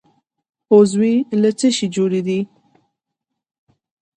عضوې له څه شي جوړې دي؟